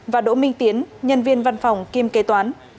và đỗ minh tiến nhân viên văn phòng kiêm kế toán